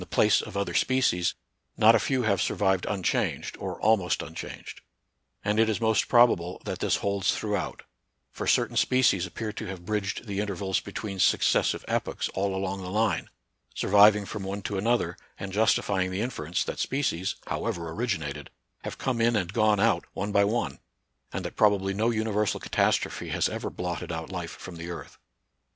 the place of other species, not a few have sur vived unchanged, or almost unchanged. And it is most probable that this holds throughout ; for certain species appear to have bridged the intervals between successive epochs all along the line, surviving from one to another, and justifying the inference that species — however originated — have come in and gone out one by one, and that probably no universal catastrophe has ever blotted out life from the earth.